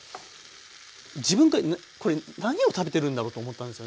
自分がこれ何を食べてるんだろうと思ったんですよね。